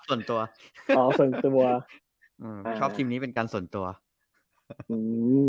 ส่วนตัวอ๋อส่วนตัวบัวอืมชอบทีมนี้เป็นการส่วนตัวอืม